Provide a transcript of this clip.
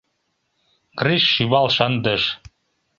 Гриш шӱвал шындыш.